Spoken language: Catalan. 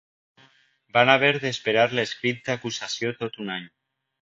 Van haver d’esperar l’escrit d’acusació tot un any.